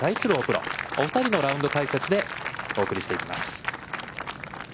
プロ、お二人のラウンド解説でお送りしていきます。